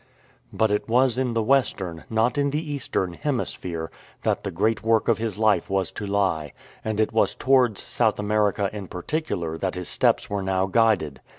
But it was in the AVestern, not in the Eastern, Hemis phere that the great work of his life was to lie, and it was towards South America in particular that his steps were now guided.